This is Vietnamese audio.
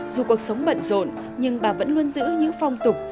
dù cuộc sống bận rộn nhưng bà vẫn luôn giữ những phong tục